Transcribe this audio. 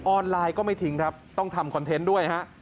ไลน์ก็ไม่ทิ้งครับต้องทำคอนเทนต์ด้วยฮะ